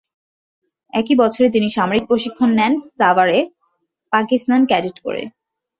একই বছরে তিনি সামরিক প্রশিক্ষণ নেন সাভারে পাকিস্তান ক্যাডেট কোরে।